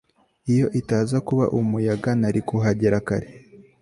Iyo itaza kuba umuyaga nari kuhagera kare